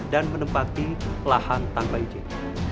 dan menempati lahan tanpa izin